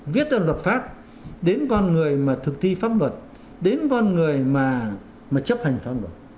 viết ra luật pháp đến con người mà thực thi pháp luật đến con người mà chấp hành pháp luật